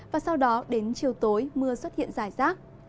và sau đó đến chiều tối mưa xuất hiện dài rác